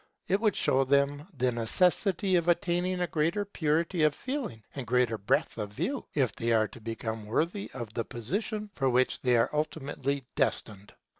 It would show them the necessity of attaining to greater purity of feeling and greater breadth of view, if they are to become worthy of the position for which they are ultimately destined.